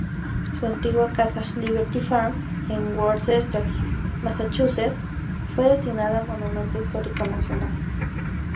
Su antigua casa, Liberty Farm, en Worcester, Massachusetts, fue designada Monumento Histórico Nacional.